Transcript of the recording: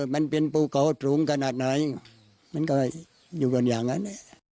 มันเป็นปูเกาถุงขนาดไหนมันก็อยู่แบบนี้นะครับ